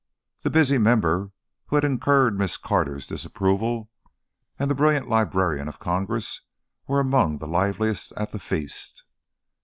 The busy member who had incurred Miss Carter's disapproval and the brilliant Librarian of Congress were among the liveliest at the feast.